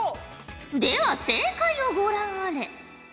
では正解をご覧あれ。